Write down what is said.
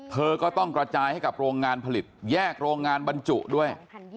เธอก็ต้องกระจายให้กับโรงงานผลิตแยกโรงงานบรรจุด้วย